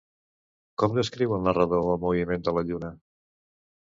Com descriu el narrador el moviment de la lluna?